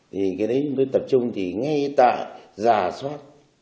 thì cái đấy mới tập trung thì ngay tại giả soát